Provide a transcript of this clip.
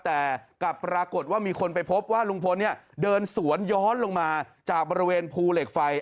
แต่กลับปรากฏว่ามีคนไปพบว่าลุงพลเนี่ยเดินสวนย้อนลงมาจากบริเวณภูเหล็กไฟ